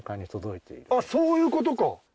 あっそういうことか。